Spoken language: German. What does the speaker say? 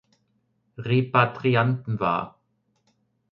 Repatrianten war.